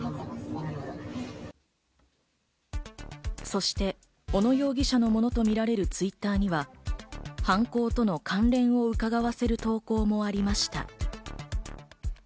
そして小野容疑者のものとみられるＴｗｉｔｔｅｒには犯行との関連をうかがわせる投稿もありました。